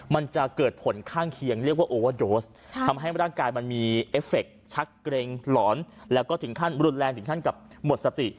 มันจะเกิดผลข้างเคียงเรียกว่าโอเวอร์โดสทำให้ร่างกายมันมีเอฟเฟคชักเกร็งหลอนแล้วก็ถึงขั้นรุนแรงถึงขั้นกับหมดสติ